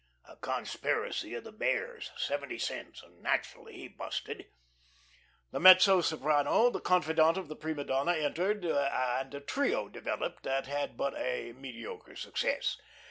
" a conspiracy of the Bears ... seventy cents ... and naturally he busted." The mezzo soprano, the confidante of the prima donna, entered, and a trio developed that had but a mediocre success.